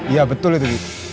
iya betul itu